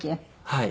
はい。